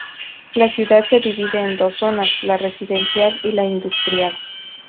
La ciudad se divide en dos zonas: la residencial y la industrial.